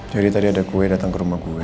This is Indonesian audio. jadi tadi ada kue datang ke rumah gue